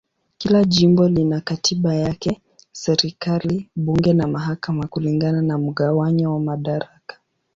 Kila jimbo lina katiba yake, serikali, bunge na mahakama kulingana na mgawanyo wa madaraka.